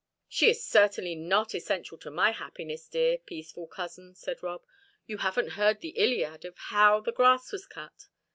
"She is certainly not essential to my happiness, dear, peaceful cousin," said Rob. "You haven't heard the Iliad of How the Grass Was Cut.